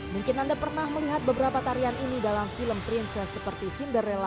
mungkin anda pernah melihat beberapa tarian ini dalam film princess seperti cinderella